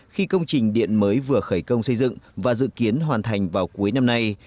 khi công trình điện mới vừa khởi công xây dựng và dự kiến hoàn thành vào cuối năm nay